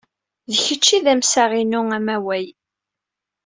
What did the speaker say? D kečč ay d amsaɣ-inu amaway.